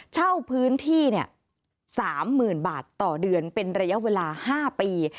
เช่าพื้นที่๓๐๐๐บาทต่อเดือนเป็นระยะเวลา๕ปี